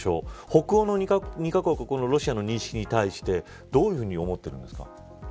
北欧の２カ国はロシアの認識に対してどういうふうに思ってるんですか。